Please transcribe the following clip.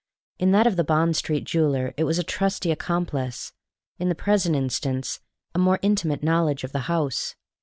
In that of the Bond Street jeweller it was a trusty accomplice; in the present instance, a more intimate knowledge of the house.